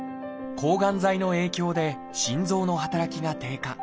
抗がん剤の影響で心臓の働きが低下。